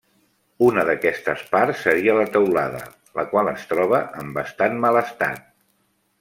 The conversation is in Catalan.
Una d'aquestes parts seria la teulada, la qual es troba en bastant mal estat.